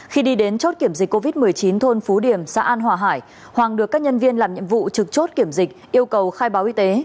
khi đi đến chốt kiểm dịch covid một mươi chín thôn phú điểm xã an hòa hải hoàng được các nhân viên làm nhiệm vụ trực chốt kiểm dịch yêu cầu khai báo y tế